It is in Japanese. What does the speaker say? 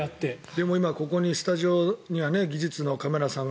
でも今、ここにスタジオには技術のカメラさん